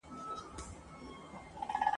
دا محفل دی د رندانو دلته مه راوړه توبې دي ..